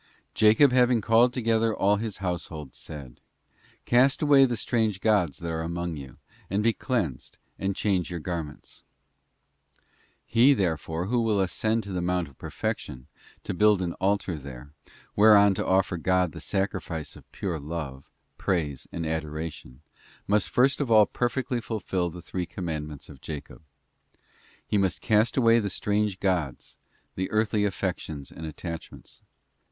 'Jacob having called together all his household, said, Cast away the strange gods that are among you, and be cleansed and change your garments.'* He, therefore, who will ascend to the mount of perfection, to build an altar there, whereon to offer unto God the sacrifice of pure love, praise, and adora tion, must first of all perfectly fulfil the three commandments of Jacob. He must cast away the strange gods, the earthly affections and attachments.